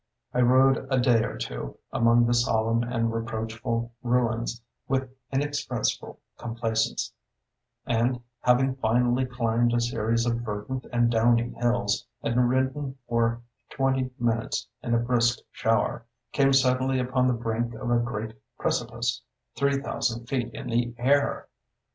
I rode a day or two among the solemn and reproachful ruins with inexpressible complacence, and, having finally climbed a series of verdant and downy hills, and ridden for twenty minutes in a brisk shower, came suddenly upon the brink of a great precipice, three thousand feet in the air.